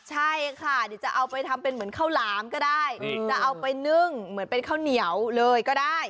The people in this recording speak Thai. ใช่ค่ะเดี๋ยวจะเอาไปทำเป็นเหมือนข้าวหลามก็ได้จะเอาไปนึ่งเหมือนเป็นข้าวเหนียวเลยก็ได้